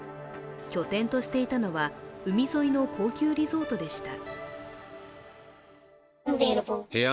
拠点としていたのは、海沿いの高級リゾートでした。